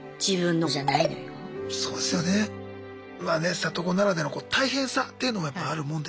里子ならではの大変さっていうのもやっぱあるもんですか？